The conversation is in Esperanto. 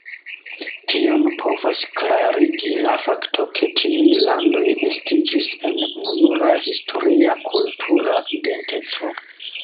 Tion povas klarigi la fakto, ke tiuj landoj estiĝis el ununura historia kultura identeco.